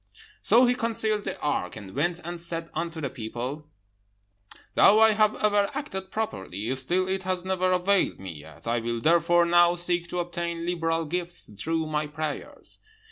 "So he concealed the ark, and went and said unto the people, 'Though I have ever acted properly, still it has never availed me yet. I will therefore now seek to obtain liberal gifts through my prayers.'